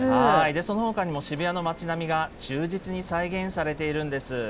そのほかにも渋谷の町並みが忠実に再現されているんです。